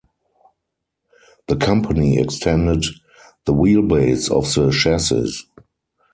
The company extended the wheelbase of the chassis.